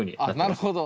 なるほど！